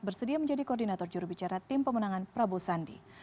bersedia menjadi koordinator jurubicara tim pemenangan prabowo sandi